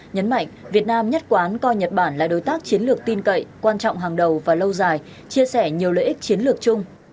nhấn mạnh việt nam nhất quán coi nhật bản là đối tác chiến lược tin cậy quan trọng hàng đầu và lâu dài chia sẻ nhiều lợi ích chiến lược chung